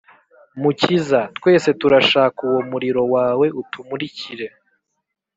Mukiza, Twese turashak’ uwo muriro wawe utumurikire